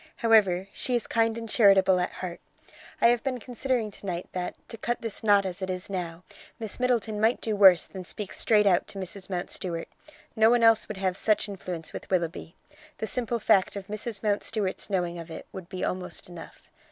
However, she is kind and charitable at heart. I have been considering to night that, to cut this knot as it is now, Miss Middleton might do worse than speak straight out to Mrs. Mountstuart. No one else would have such influence with Willoughby. The simple fact of Mrs. Mountstuart's knowing of it would be almost enough.